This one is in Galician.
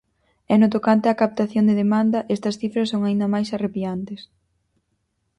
E no tocante á captación de demanda, estas cifras son aínda máis arrepiantes: